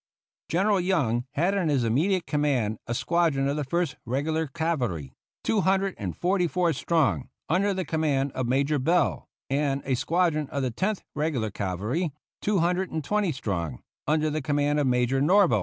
General Young had in his immediate command a squadron of the First Regular Cavalry, two hundred and forty four strong, under the command of Major Bell, and a squadron of the Tenth Regular Cavalry, two hundred and twenty strong, under the command of Major Norvell.